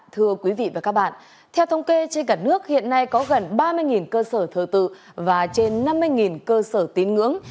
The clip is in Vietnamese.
thưa quý vị và các bạn theo thông kê trên cả nước hiện nay có gần ba mươi cơ sở thờ tự và trên năm mươi cơ sở tín ngưỡng